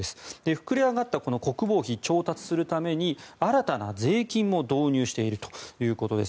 膨れ上がった国防費を調達するために新たな税金も導入しているということです。